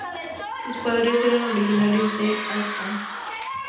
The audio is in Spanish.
Sus padres eran originarios de Arkansas.